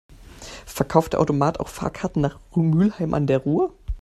Verkauft der Automat auch Fahrkarten nach Mülheim an der Ruhr?